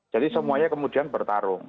jadi semuanya kemudian bertarung